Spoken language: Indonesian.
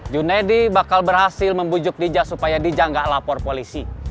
junedi bakal berhasil membujuk dija supaya dija gak lapor polisi